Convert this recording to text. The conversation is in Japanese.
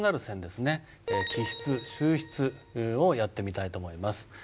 起筆収筆をやってみたいと思います。